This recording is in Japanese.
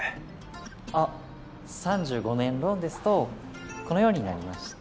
あっ３５年ローンですとこのようになりまして。